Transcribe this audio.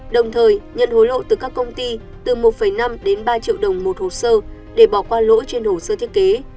đồng thời nhận hối lộ từ các công ty từ một năm đến ba triệu đồng một hồ sơ để bỏ qua lỗi trên hồ sơ thiết kế